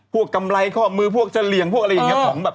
พวกกำไรข้อมือพวกเสลียงพวกอะไรอย่างนี้